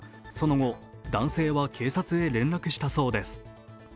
その後、男性は警察へ連絡したそうです。